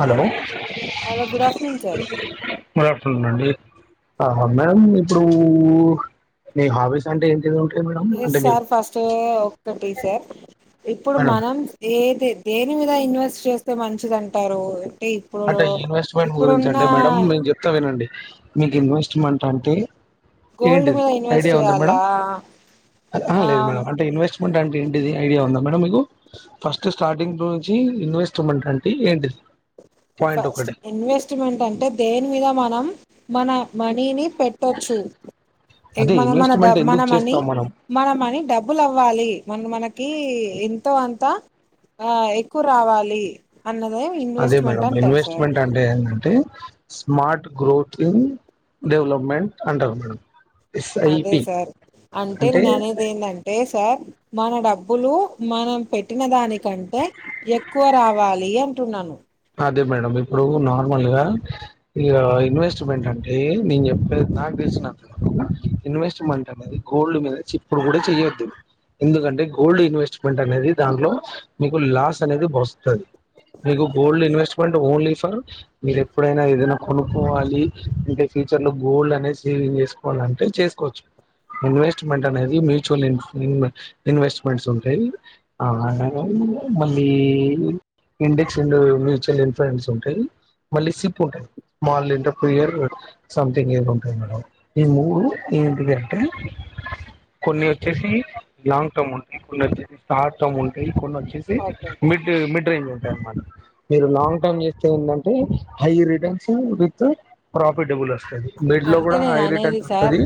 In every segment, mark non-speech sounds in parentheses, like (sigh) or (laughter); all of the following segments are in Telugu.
Hello hello good afternoon sir good afternoon అండి ఆహా మేడమ్ ఇప్పుడు నీ హాబీస్ అంటే ఏంటి ఉంటు ఎస్ సార్ ఫస్ట్ ఒకటి సార్ ఇప్పుడు మేడం మనం ఏది దేని మీద ఇన్వెస్ట్ చేస్తే మంచిది అంటారు. ఇప్పుడు అంటే ఇన్వెస్ట్మెంట్ గురించి ఇప్పుడున్న అంటే మేడం నెన్ చెప్తా వినండి మీకు ఇన్వెస్ట్మెంట్ అంటే గోల్డ్ ఏంటిది మీద ఇన్వెస్ట్ ఐడియా ఉందా మేడం చేయాలా ఆ లేదు మేడం అంటే ఇన్వెస్ట్ ఉంటా అంటే ఏంటిది ఐడియా ఉందా మేడం మీకు ఫస్ట్ స్టార్టింగ్ చి ఇన్వెస్ట్మెంట్ అంటే ఏంటిది పాయింట్ ఫస్ట్ ఒకటి ఇన్వెస్ట్మెంట్ అంటే దేని మీద మనం మన మనీని పెట్టొచ్చు అదే మన మన ఇన్వెస్ట్మెంట్ ఎందుకు మనమని చేస్తాం మనం మనమని డబుల్ అవ్వాలి మన మనకి ఎంతో అంతా ఆ ఎక్కువ రావాలి అన్నదే అదే ఇన్వెస్ట్మెంట్ మేడమ్ అంటారు సార్ ఇన్వెస్ట్మెంట్ అంటే ఏ అంటే స్మార్ట్ గ్రోతింగ్ డెవలప్మెంట్ అంటారు మేడం అదే ఎస్ఐపి సార్ అంటే నేను అనేది ఎందంటే సార్ మన డబ్బులు మనం పెట్టిన దానికంటే ఎక్కువ రావాలి అంటున్నాను అదే మేడం ఇప్పుడు నార్మల్ గా ఇన్వెస్ట్మెంట్ అంటే నేను చెప్పేది నాకు తెలిసినంతవరకు ఇన్వెస్ట్మెంట్ అనేది గోల్డ్ మీద ఏప్పుడు కూడా చెయొద్దు ఎందుకంటే గోల్డ్ ఇన్వెస్ట్మెంట్ అనేది దాంట్లో మీకు లాస్ అనేది వస్తది మీకు గోల్డ్ ఇన్వెస్ట్మెంట్ ఓన్లీ ఫర్ మీరు ఎప్పుడైనా ఏదైనా కొనుక్కోవాలి అంటే ఫ్యూచర్ లో గోల్డ్ అనేది సేవింగ్ చేసుకోవాలంటే చేసుకోవచ్చు ఇన్వెస్ట్మెంట్ అనేది మ్యూచువల్ ఇన్వెస్ట్మెంట్స్ ఉంటాయి మళ్ళీ ఇండెక్స్ డు మ్యూచువల్ ఇన్ఫండ్స్ ఉంటాయి మళ్ళీ సిప్ ఉంటాయి స్మాల్ ఇంటర్ ఫీయర్ సంథింగ్ ఏదొ ఉంటాంది మేడం ఈ మూడు ఏంటికి అంటే కొన్ని వచ్చేసి లాంగ్ టర్మ్ ఉంటాయి కొన్ని వచ్చేసి షార్ట్ టర్మ్ ఉంటాయ్ కొన్ని వచ్చేసి ఓకే మిడ్ మిడ్ రేంజ్ ఉంటాయి అన్నమాట మీరు లాంగ్ టర్మ్ చేస్తే ఏందంటే హై రిటర్న్స్ విత్ ప్రాఫిటబుల్ వస్ అంటే నేను అనేది సార్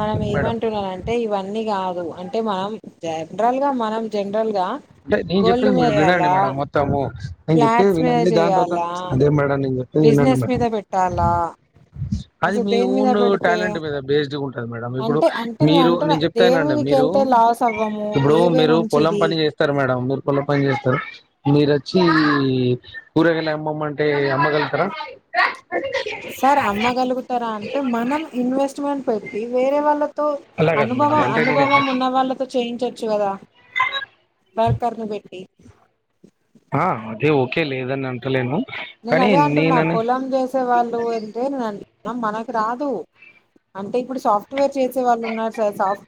మనం మేడం ఏమంటున్నానంటే ఇవన్నీ కాదు అంటే మనం జనరల్ గా మనం జనరల్ గా అంటే నేను గోల్డ్ చెప్పిది మీద మేడం వినండి చేయాలా మేడం మొత్తము నేను చెప్పిది ఫ్లాట్స్ మీద వినండి దాని తర్వాత చేయాలా అదే మేడం నను చెప్ వినండి బిజినెస్ మేడం మీద పెట్టాలా అది అసలు మీ దేని మీద ఓన్ పెడితే టాలెంట్ మీద బేస్డ్గ ఉంటది మేడం ఇప్పుడు అంటే అంటే మీరు అంటున్నా నేను చెప్తా దేని వినండి మీదకి మీరు వెళ్తే లాస్ అవ్వము ఇప్పుడు ఏవే మీరు పొలం మంచిది పని చేస్ వస్తారు మేడం మీరు కోళ్ల పని చేస్తారు మీరు వచ్చి కూరగాయలు అమ్మమంటే అమ్మగలుగతరా సార్ అమ్మగలుగుతారా అంటే మనం ఇన్వెస్ట్మెంట్ (inaudible) వేరే వాళ్ తో అలా కాదు మేడం అనుభవ అంటే నేను అనుభవం ఉన్న వాళ్ళతో చేయించో చ్చ గదా వర్కర్ను బెట్టి ఆ అదే ఓకే లేదని అంటలేను నేను కానీ అదే అంటున్నా నేనని పొలం చేసే వాళ్ళు ఎంతో నేన్ మనకు రాదు అంటే ఇప్పుడు సాఫ్ట్వేర్ చేసే వాళ్ళు ఉన్నారు సార్ సాఫ్ట్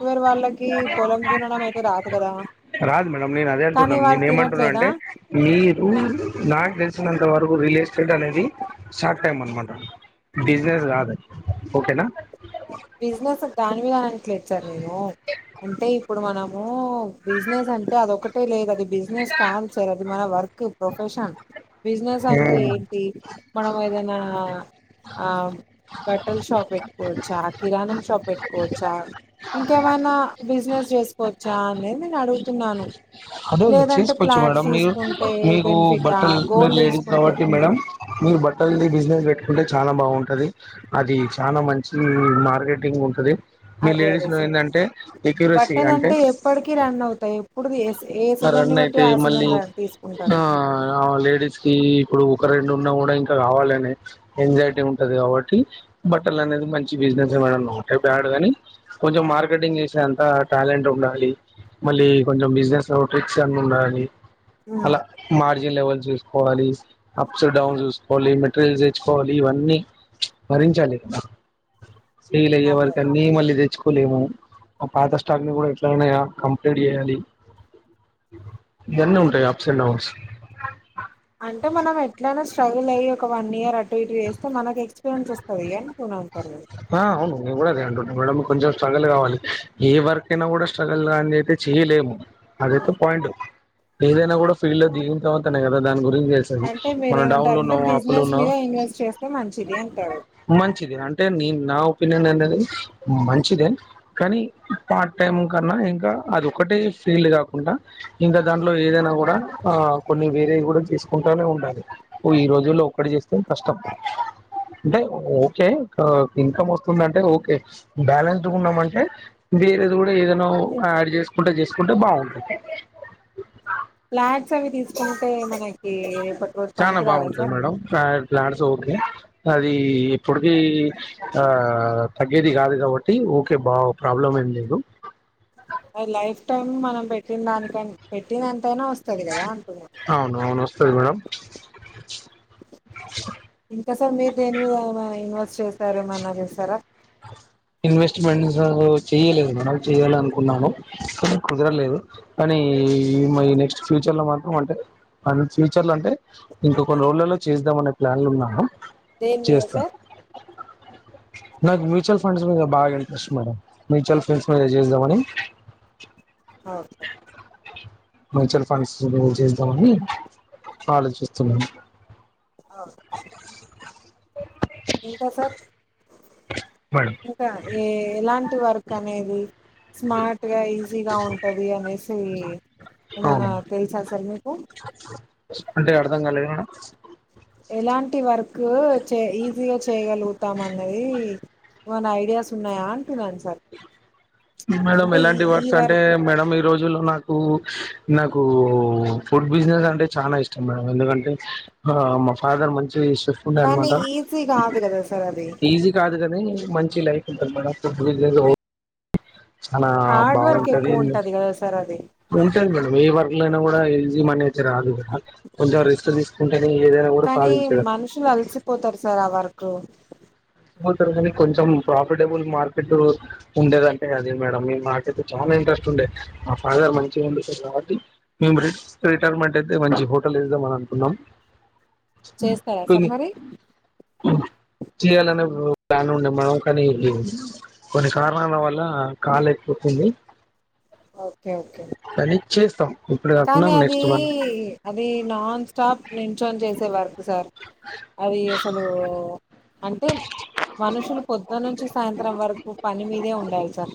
రాదు కదా రాదు మేడం నేను అదే కానీ అంటున్నాం వాళ్ళు నేను ఏమంటున్నా తినట్లేదా అంటే మీకు నాకు తెలిసినంత త వరకు రియల్ ఎస్టేట్ అనేది షార్ట్ టైమ్ అన్నమాట బిజినెస్ కాదది ఓకేనా బిజినెస్ దానీవే అనట్లేదు సార్ నేను అంటే ఇప్పుడు మనం ఓ బి. జి. నెస్. అంటే అదొక్కటే లేదు అండి బి. జి. నెస్. కామ్ సార్ అది మన work okay profession business. అంటే ఏంటి మనం ఏదన్నా అహ్మ్ బట్ ల్ షాప్ పెట్టి కోవచ్చా కిరాణం షాప్ పెట్టుకోవచ్చా ఇంకేమైనా బి. జి. నెస్. చేసుకోవచ్చా అనేది నేను అడుగుతున్నాను. అదే అదే లేదంటే చేసుకోవచ్చు. ఫ్లాట్స్ మేడం మీరు తీసుకుంటే మీకు బెనిఫిటా బట్టల్ మీరు గోల్డ్ లేడీస్ తీసుకుంటే కాబట్టి మేడం. మీరు బట్టల్ బి. జి. నెస్. పెట్టుకుంటే చాలా బాగుంటది. అది చానా మంచి మార్కెటింగ్ ఉంటది. మీ అదే లేడీస్ అదే లో సార్ ఏందంటే ఎక్యూరిసీ అంటే ఏపుడు తియ్యేచ్చు ఆ రన్ అయితే మళ్ళీ ఆ తీసుకుంటారు ఆ అవా లేడీస్ కి ఇప్పుడు ఒక రెండున్న కూడా ఇంకా కావాలనే ఎంజైటీ ఉంటది. కాబట్టి బట్టలు అనేది మంచి బి. జి. నెస్సే మేడం. నాట్ ఏ బ్యాడ్ గానీ కొంచెం మార్కెటింగ్ చేసే అంత టాలెంట్ ఉండాలి మళ్ళీ కొంచెం బి. జి. నెస్ స్మెటిక్స్ అన్ని ఉండాలి ఉమ్ అలా మారి లెవల్ చూసుకోవాలి అప్స్ డౌన్ చూసుకోవాలి. మెటీరియల్స్ తెచ్చుకోవాలి ఇవన్నీ భరించాలి సేల్ అయ్యే అదే వరకన్ని మళ్ళీ తెచ్చు కో లేము ఆ పాత స్టాక్ ని కూడా ఎట్లాన్నాయా కంప్లీంట్ చేయండి. ఇవన్నీ ఉంటాయి అప్స్ అండ్ డౌన్స్ అంటే మనం ఎట్లయినా స్ట్రగుల్ అయ్యి ఒక వన్ ఇయర్ అటు ఇటు చేస్తే మనకి ఎక్స్పీరియన్స్ వస్తది గా ఆ అవును నేను కూడా అదే అంటూనా కొంచెం స్ట్రగల్ కావాలి ఏ వర్క్ అయినా కూడా స్ట్రగల్ రంది అయితే చేయలేము అదేతే పాయింట్ ఏదైనా కూడా ఫీల్డ్ లో దిగినా తర్వాతనే గా కదా దాని గు అంటే మీరేమంటారంటే బి. జి. నెస్ ఉన్నాము మీద ఇన్వెస్ట్ చేస్తే మంచిది అంటారు. మంచిది. అంటే నేను నా ఒపీనియన్ అనేది మంచిదే. కానీ పార్ట్ టైం కన్నా ఇంకా అది ఒకటే ఫీల్డ్ కాకుండా ఇంకా దాంట్లో ఏదైనా కూడా ఆ కొన్ని వేరేవి కూడా చేసుకుంటూనే ఉంటాలి. ఈ రోజుల్లో ఒకటి చేస్తే కష్టం. అంటే ఓ టే ఇన్కమ్ వస్తుందంటే ఓకే బ్యాలెన్స్డ్ ఉన్నామంటే వేరేది కూడా ఏదైనా యాడ్ చేసుకుంటే, చేసుకుంటే బాగుంటుంది. ల్యాండ్ డ్స్ అవి తీసుకుంటే మనకి రేపటి రోజు చాలా పనికి రావా బాగుంటుంది సార్ మేడం ప్లాన్స్ ఓకే అది ఇప్పుడ్ధి ఆ తగ్గేది కాదు. కాబట్టి ఓకే బా ప్రాబ్లం ఏం లేదు. అది లైఫ్ టైం మనం పెట్టిన దానికం పెట్టిన్ దాని కైనా వస్తది కదా అంటున్నా. అవును అవును వస్తుంది మేడం ఇంక సర్ మీరు దేనీ మీద ఆయన ఇన్వెస్ట చేసార ఏమన్నా చేసారా ఇన్వెస్ట్మెంట్స్ చెయలేదు మన చేయాల అనుకున్నాను కానీ కుదరలేదు కానీ మ నెక్స్ట్ ఫ్యూచర్ లో మాత్రం అంటే మ ఫ్యూచర్ లో అంటే ఇంకా కొన్ని రోజులలో చేద్దాం అనే ప్లాన్లు ఉన్నా దేన్ మీద సర్ నాకు మ్యూచవల్ ఫండ్స్ మీద బాగా ఇంట్రెస్ట్ మేడం మ్యూచువల్ ఫండ్స్ మీద చేద్దామని ఓకే మ్యూచువల్ ఫండ్స్ చేద్దామని ఆలోచిస్తున్నాను ఒకే సర్ ఇంక సర్ మేడం ఇంక ఏ ఎలాం టి వర్క్ అనేది స్మార్ట్ గా ఈజీగా ఉంటది అనేసి (unintelligible) ఏమైనా అవును తెలుసా సార్ మీకు అంటే అర్థం కాలేదు మేడం ఎలాంటి వర్క్ చే ఈజీగ చేయగలుగుతాం అన్నది ఏమన ఐడియాస్ ఉన్నాయా అంటున్నాను సర్ మేడం ఎలాంటి వర్స్ అంటే మేడం ఈ రో జు లో నాకు, నాకు ఫుడ్ బిజినెస్ అంటే చాన ఇష్టం మేడం ఎందుకంటే మా ఫాదర్ మంచి చెఫుండే కానీ అనమాట ఈజీ కాదు కదా సార్ అది ఈజీ కాదు క నీ మంచి లైఫ్ ఉంటది మేడం ఫుడ్ బిజినెస్ లో అలా హార్డ్ వర్క్ బాగుంటది ఎక్కువ ఉంటది కదా సార్ అది ఉంటది మేడం ఏ వ ర్కు లో అయిన కూడ ఈజీ మనీ అయితే రాదు కదా కొంచెం రిస్క్ తీసుకుం కానీ మనుషులు అలసిపోతరు సర్ ఆ వ ర్కు తరు కానీ కొంచెం ప్రాఫిటబుల్ మార్కెట్ ఉండేదంటే అదే మేడం. నాకైతే చాలా ఇంట్రెస్ట్ ఉండే మా ఫాదర్ మంచిగా ఉండు కాబట్టి మేము రిటైర్మెంట్ అయితే మంచి హోటల్ ఇద్దాం అని అనుకున్నాం. చేస్తారా సార్ కొన్ని మరి చేయ్యాలన ప్లాన్ ఉండే మనం కానీ కొన్ని కారణాల వల్ల కాలేక పోతుంది ఓ ఒకే ఒకే చేస్తాం ఇప్పుడు కాకుండా కానీ అదీ నెక్స్ట్ మనం అది నాన్ స్టాప్ నించోని చేసే వ ర్కు సర్ అది అసలు అంటే మనుషులు పొద్దనుంచి సాయంత్రం వరకు పని మీదే ఉండాలి సార్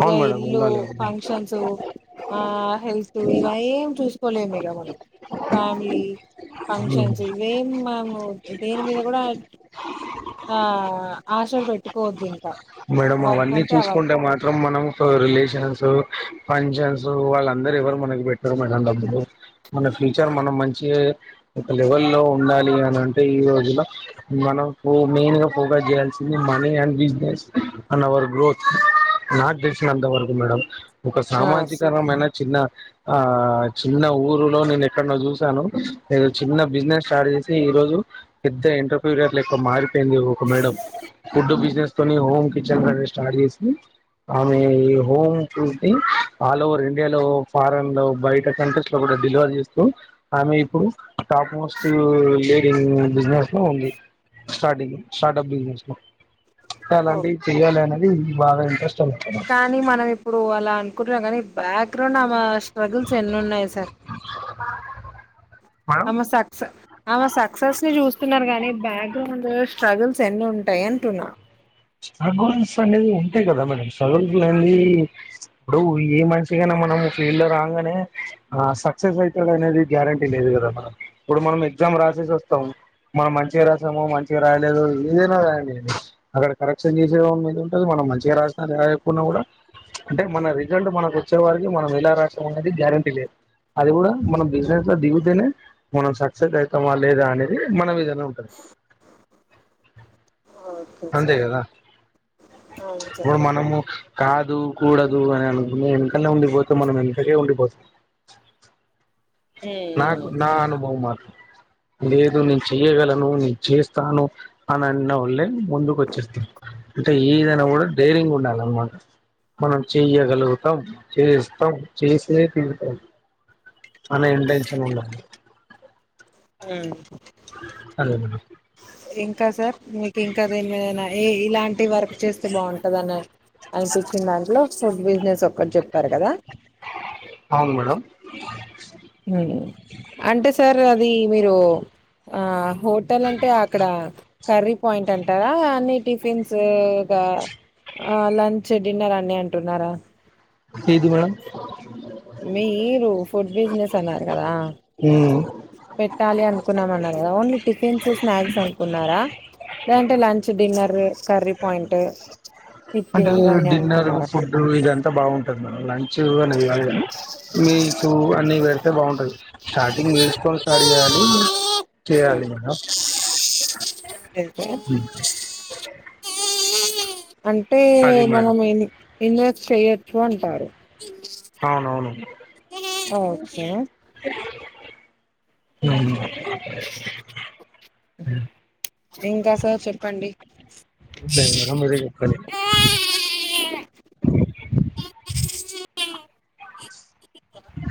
ఇగ అవును మేడం ఇల్లు, ఉండాలి ఫంక్షన్సు, ఆ హెల్త్ ఈ వై ఏం చూసుకుం తెలుసుకోలేమొ దిగము ఫ్యామిలీ ఫంక్షన్స్ ఇవేం మేము దేని మీద కూడా ఆ ఆశలు పెట్టుకోవచ్చు ఇంకా మేడంమ్ వర్క్ అవన్నీ అంటే ఆ వర్క్ చూసుకుంటే మాత్రం మనం రిలేషన్స్ ఫంక్షన్స్ వాళ్ళందరు ఎవరు మనకి పెట్టరు మళ డబ్బులు మన ఫ్యూచర్ మనం మంచి ఒక్క లెవెల్ లో ఉండాలి అని అంటే ఈ రోజులో మనం మెయిన్ గా ఫోకస్ చేయాల్సింది మనీ అండ్ బిజినెస్ అన్న వరకు నా క్ తెసినంతావకు మేడం ఒక ఆ సామాజికరమైన చిన్న ఆ చిన్న ఊరులో నేను ఎక్కడనో చూసాను నే చిన్న బిజినెస్ స్టార్ట్ చేసి ఈ రోజు పెద్ద ఎంటర్పూరియర్ ఎక్కువ మారిపోయింది ఒక మేడం ఫుడ్ బిజినెస్ తోని హోమ్ కిచెన్ స్టార్ట్ చేసి ఆమె ఇహోమ్ ఫల్ ఆల్ ఓవర్ ఇండియా లో ఫారెన్ లో బయట కంట్రీస్ లో కూడా డెలివర్ చేస్తూ ఆమె ఇప్పుడు టాప్ మోస్ట్ డింగ్ బిజినెస్ లో ఉంది స్టార్టింగ్ స్టార్ట్ప్ బిజెస్ లో చాలా ఓ. అండి అనేది బాగా ఇంట్రెస్ట్ అనుకున్నాను కానీ మనం ఇప్పుడు అలా అనుకుంట్ర గానీ బ్యాక్గ్రౌండ్ ఆ మాస్ స్ట్రగుల్స్ ఎన్ని ఉన్నాయి సార్ మేడం ఆమె సక్స ఆమె సక్సెస్ ని చూ న్నారు కాగానీ బ్యాక్గ్రౌండ్ స్ట్రగుల్స్ ఎన్ని ఉంటాయి అంటున్నా స్ట్రగుల్స్ అనేది ఉంటాయి కదా మేడం స్ట్రగుల్స్ అనేది ఇప్పుడు ఏ మనించిగానా మనం ఫీల్డ్ లో రాగానే ఆ సక్సెస్ అవుతాడు అనేది గ్యారంటీ లేదు కదా మన ఇప్పుడు మనం ఎగ్జామ్ రాసేసి వస్తాం మనం మంచిగా రాసాము మంచిగా రాయలేదు ఏదైనా రాడి అక్కడ కరెక్షన్ చేసే మీద ఉంటంది మనం మంచిగా రాసిన లేకుండా కూడా అంటే మన రిజల్ట్ మనకు వచ్చే వారికి మనం ఎలా రాసాం అనేది గ్యారంటీ లేదు అది కూడా మనం బిజినెస్ లో దిగితేనే మనం సక్సెస్ అవుతామా లేదా అనేది మన విదనే ఉంటుంది ఓకే అంతే సార్ కదా అవును సార్ ఇప్పుడు మనము కాదు కూడదు అని అనుకుంనే వెనకనే ఉండిపోతే మనం వెనకకే ఉండిపోతాం నాకు హ్మ్ నా అనుభవం మాత్రం లేదు నేను చెయ్యగలను నేను చేస్తాను అని అన్న వాళ్లేే ముందుకు వచ్చేస్తాను అంటే ఏదైనా కూడా ధైర్యంగా ఉండాల అన్నమాట మనం చెయ్యగలుగుతాం చేస్తాం చేసే తిరుగుతాం అన ఏం టెన్షన్ ఉండదు ఆ అదే అ ఇంకా సార్ మీకి ఇంకా తెలివిదైనయ ఏ ఇలాంటి వర్క్ చేస్తే బాగుంటది అన్నారు అ సిచ్చింది దాంట్లో బిజినెస్ ఒక చెప్ప అవును మేడమ్ (inaudible) హమ్ అంటే సర్ అది మీరు ఆ హోటల్ అంటే అక్కడ కర్రీ పాయింట్ అంటారా అన్ని టిఫిన్స్గా ఆ లంచ్ చ్చ డిన్నర్ అని అంటున్నారా ఇది మేడం మీరు ఫుడ్ బిజినెస్ అన్నరు కదా మేడం పెట్టాలి అనుకున్నామన్నారు కదా ఓన్లీ టిఫిన్స్ స్నాక్స్ అనుకున్నారా లేదంటే లంచ్ డిన్నర్ కర్రీ పాయింట్ అంటే టిఫిన్ ఇవన్నీ డిన్నర్ అనుకున్నారా ఫుడ్డు ఇదంత బాగుంటది మన లంచ్ అనేది కాదు కానీ మీల్స్ అన్ని పెడితే బాగుంటది స్టార్టింగ్ మీల్స్ తోనీ స్టార్ చేయాలి చేయాలి మేడమ్ స ఆ అంటే అది మేడం మనం ఏంది ఇన్వెస్ట్ చెయచ్చు అంటరు అవునవును ఓకే హమ్ ఇంకా సార్ చెప్పండి వర మీరే చెప్పలి అ